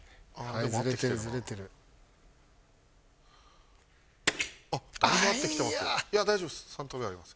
いや大丈夫です。